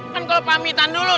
kan kalau pamitan dulu